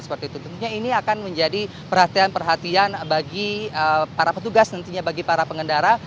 tentunya ini akan menjadi perhatian perhatian bagi para petugas nantinya bagi para pengendara